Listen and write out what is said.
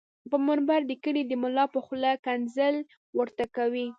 پر منبر د کلي دملا په خوله ښکنځل ورته کوي